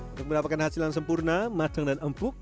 untuk mendapatkan hasil yang sempurna matang dan empuk